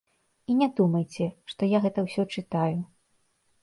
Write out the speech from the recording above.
І не думайце, што я гэта ўсё чытаю.